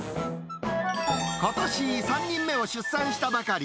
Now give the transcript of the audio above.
ことし３人目を出産したばかり。